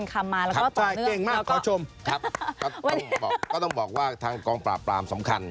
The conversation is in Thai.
ก็ต้องบอกว่ากองปราบปรามสำคัญ